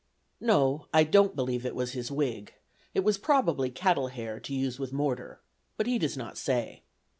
(No; I don't believe it was his wig; it was probably cattle hair, to use with mortar; but he does not say.)